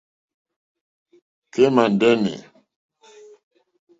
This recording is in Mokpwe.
Kémà ndɛ́nɛ̀.